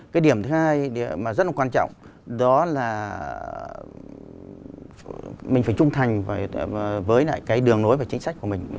cái điểm thứ hai mà rất là quan trọng đó là mình phải trung thành với lại cái đường lối và chính sách của mình